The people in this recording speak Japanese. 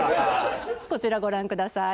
こちらご覧ください。